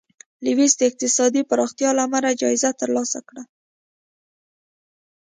لویس د اقتصادي پراختیا له امله جایزه ترلاسه کړه.